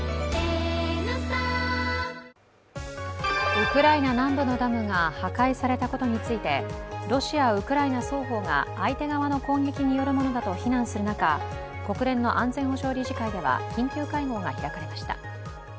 ウクライナ南部のダムが破壊されたことについてロシア、ウクライナ双方が相手側の攻撃によるものだと非難する中国連の安全保障理事会では緊急会合が開かれました。